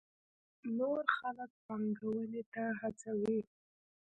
نور خلک پانګونې ته هڅوي.